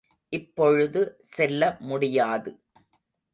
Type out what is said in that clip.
இப்பொழுது செல்ல முடியாது.